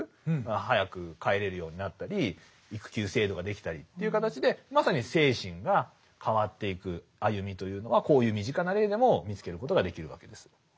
早く帰れるようになったり育休制度ができたりという形でまさに精神が変わっていく歩みというのはこういう身近な例でも見つけることができるわけです。